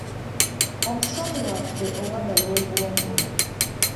Omusomi waffe owa Wagala Obwongo.